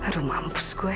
rumah hampus gue